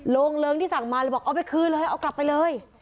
โรงเริงที่สั่งมาเลยบอกเอาไปคืนเลยเอากลับไปเลย